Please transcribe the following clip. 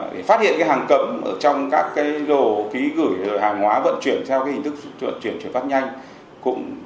để phát hiện hàng cầm trong các đồ ký gửi hàng hóa vận chuyển theo hình thức chuyển phát nhanh